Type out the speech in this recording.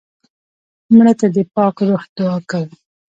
مړه ته د پاک روح دعا کوو